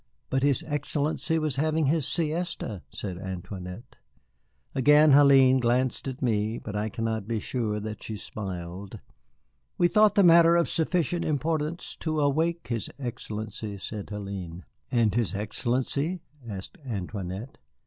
"But his Excellency was having his siesta!" said Antoinette. Again Hélène glanced at me, but I cannot be sure that she smiled. "We thought the matter of sufficient importance to awake his Excellency," said Hélène. "And his Excellency?" asked Antoinette.